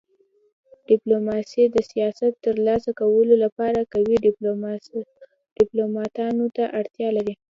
ډيپلوماسي د سیاست د تر لاسه کولو لپاره قوي ډيپلوماتانو ته اړتیا لري.